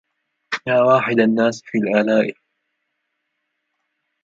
يا واحد الناس في الآلاء